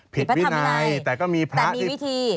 ผิดวินัยแต่มีวิธี